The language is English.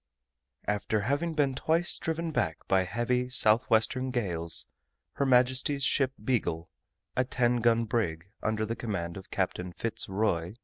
AFTER having been twice driven back by heavy southwestern gales, Her Majesty's ship Beagle, a ten gun brig, under the command of Captain Fitz Roy, R.